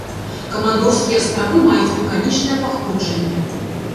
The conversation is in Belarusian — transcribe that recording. Камандорскія астравы маюць вулканічнае паходжанне.